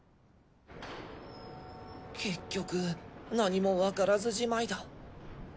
結局何もわからずじまいだ。